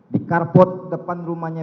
di carport depan rumahnya